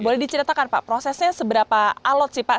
boleh diceritakan pak prosesnya seberapa alot sih pak